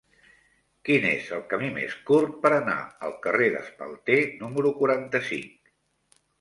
Quin és el camí més curt per anar al carrer d'Espalter número quaranta-cinc?